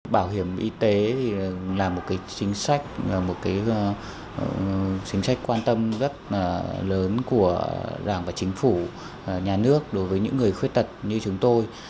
bảo hiểm y tế là một chính sách quan tâm rất lớn của đảng và chính phủ nhà nước đối với những người khuyết tật như chúng tôi